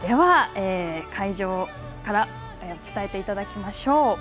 会場から伝えていただきましょう。